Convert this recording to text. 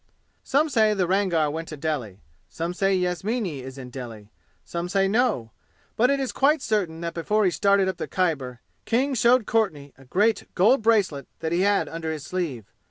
Some say the Rangar went to Delhi. Some say Yasmini is in Delhi. Some say no. But it is quite certain that before he started up the Khyber King showed Courtenay a great gold bracelet that he had under his sleeve.